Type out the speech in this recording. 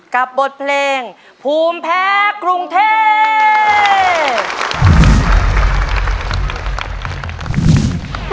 กับบทเพลงภูมิแพ้กรุงเทพ